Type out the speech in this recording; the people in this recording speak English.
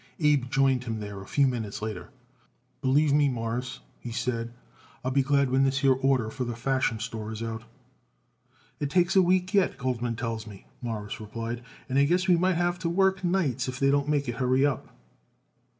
Abe joined him there a few minutes later. "Believe me, Mawruss," he said, "I'll be glad when this here order for the Fashion Store is out." "It takes a week yet, Goldman tells me," Morris replied, "and I guess we might have to work nights if they don't make it a hurry up."